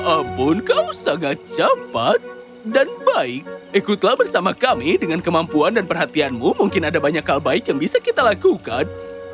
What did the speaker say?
ampun kau sangat cepat dan baik ikutlah bersama kami dengan kemampuan dan perhatianmu mungkin ada banyak hal baik yang bisa kita lakukan